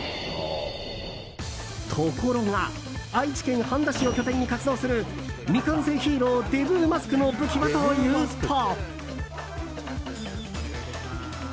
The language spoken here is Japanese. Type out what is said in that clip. ところが愛知県半田市を拠点に活動する未完成ヒーローデブーマスクの武器はというと。